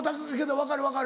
「分かる分かる」？